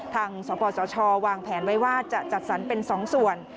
สปสชวางแผนไว้ว่าจะจัดสรรเป็น๒ส่วน